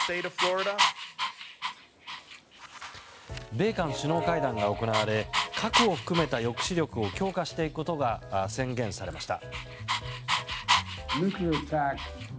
米韓首脳会談が行われ核を含めた抑止力を強化していくことが宣言されました。